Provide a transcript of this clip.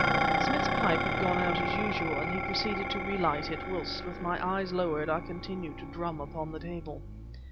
Smith's pipe had gone out as usual, and he proceeded to relight it, whilst, with my eyes lowered, I continued to drum upon the table.